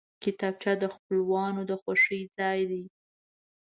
کتابچه د خپلوانو د خوښۍ ځای دی